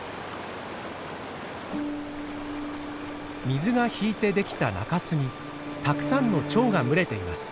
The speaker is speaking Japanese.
水が引いてできた中州にたくさんのチョウが群れています。